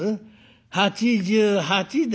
「８８です」。